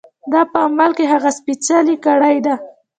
دا په عمل کې هغه سپېڅلې کړۍ ده.